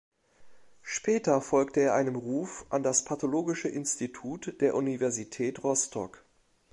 Später folgte er einem Ruf an das Pathologische Institut der Universität Rostock.